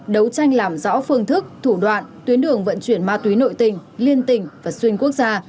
đấu tranh làm rõ phương thức thủ đoạn tuyến đường vận chuyển ma túy nội tình liên tỉnh và xuyên quốc gia